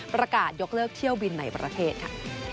ประกาศยกเลิกเที่ยวบินในประเทศค่ะ